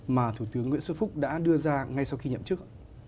mà thủ tướng nguyễn xuân phúc đã đưa ra ngay sau khi nhậm chức